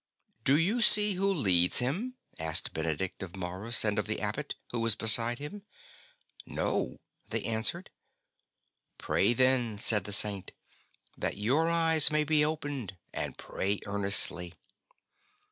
" Do you see who leads him ?" asked Benedict of Maurus and of the Abbot, who was beside him. *' No,'' they answered. '* Pray then," said the Saint, '' that your eyes may be opened, and pray earnestly."